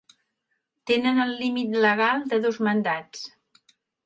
Tenen el límit legal de dos mandats.